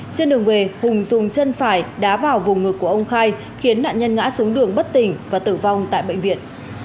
trên đường về hùng dùng chân phải đá vào vùng ngực của ông khai khiến nạn nhân ngã xuống đường bất tỉnh và tử vong tại bệnh viện